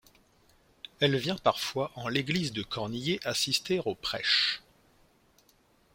Elle vient parfois en l'église de Cornillé assister au prêche.